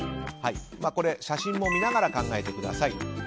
写真も見ながら考えてください。